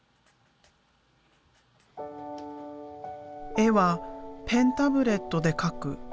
絵はペンタブレットで描く。